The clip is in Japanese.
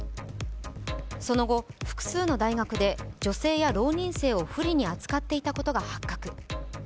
その後、複数の大学で女性や浪人生を不利に扱っていたことが発覚。